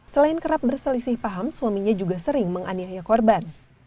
selain kerap berselisih paham suaminya juga sering menganiaya korban